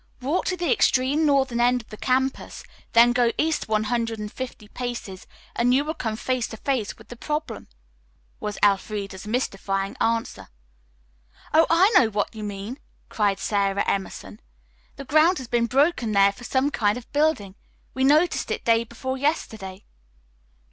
"Walk to the extreme northern end of the campus, then go east one hundred and fifty paces and you will come face to face with the problem," was Elfreda's mystifying answer. "Oh, I know what you mean," cried Sara Emerson. "The ground has been broken there for some kind of building. We noticed it day before yesterday."